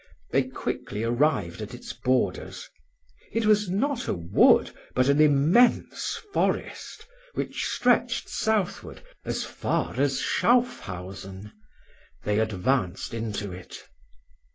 They quickly arrived at its borders: it was not a wood, but an immense forest, which stretched southward as far as Schauffhausen. They advanced into it.